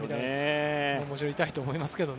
もちろん痛いとは思いますが。